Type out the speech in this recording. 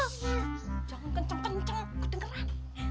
shh jangan kenceng kenceng kedengeran